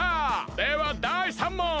ではだい３もん！